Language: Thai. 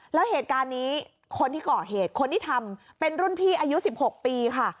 แล้วเหตุการณ์นี้คนที่ก่อเหตุคนที่ทำเป็นรุ่นพี่อายุ๑๖ปีค่ะ